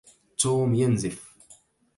توم ينزف.